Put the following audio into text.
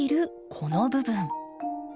この部分。